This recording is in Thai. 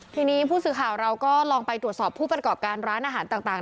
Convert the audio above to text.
ทีนี้ผู้สื่อข่าวเราก็ลองไปตรวจสอบผู้ประกอบการร้านอาหารต่าง